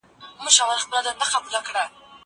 زه اوږده وخت کتابونه لولم وم؟